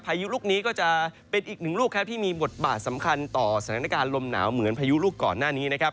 พายุลูกนี้ก็จะเป็นอีกหนึ่งลูกครับที่มีบทบาทสำคัญต่อสถานการณ์ลมหนาวเหมือนพายุลูกก่อนหน้านี้นะครับ